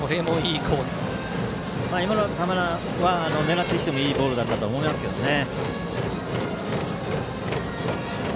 今の球は狙っていってもいいボールだと思いますけどね。